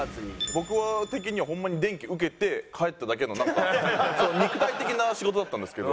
僕的にはホンマに電気受けて帰っただけのなんか肉体的な仕事だったんですけど。